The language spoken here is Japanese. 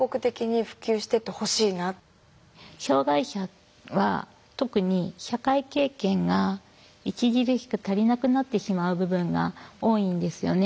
障害者は特に社会経験が著しく足りなくなってしまう部分が多いんですよね。